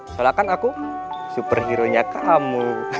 soalnya kan aku super heronya kamu